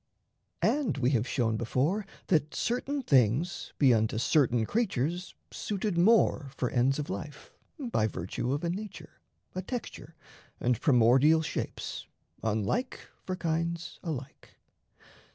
And we have shown before that certain things Be unto certain creatures suited more For ends of life, by virtue of a nature, A texture, and primordial shapes, unlike For kinds alike.